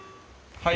はい。